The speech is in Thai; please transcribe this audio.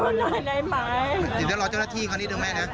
ขอดูหน่อยได้ไหมเดี๋ยวรอเจ้าหน้าที่ค่ะนิดหนึ่งแม่น่ะ